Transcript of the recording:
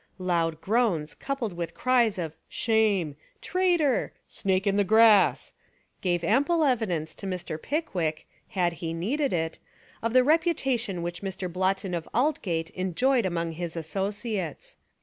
Loud groans, coupled with cries of "Shame 1 Traitor! Snake in the grass!" gave ample evi dence to Mr. Pickwick (had he needed it) of the reputation which Mr. Blotton of Aldgate enjoyed among his associates.